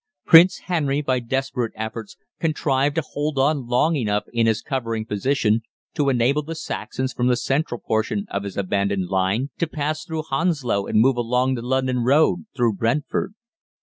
Prince Henry, by desperate efforts, contrived to hold on long enough in his covering position to enable the Saxons from the central portion of his abandoned line to pass through Hounslow and move along the London road, through Brentford.